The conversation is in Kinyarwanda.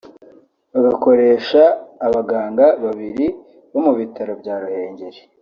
Bagakoresha abaganga babiri bo mu bitaro bya Ruhengeli